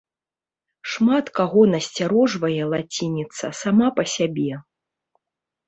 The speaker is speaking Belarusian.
Шмат каго насцярожвае лацініца сама па сябе.